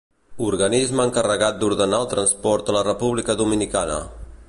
Organisme encarregat d'ordenar el transport a la República Dominicana.